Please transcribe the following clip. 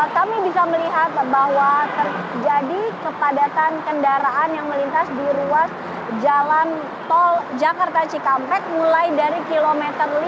kami bisa melihat bahwa terjadi kepadatan kendaraan yang melintas di ruas jalan tol jakarta cikampek mulai dari kilometer lima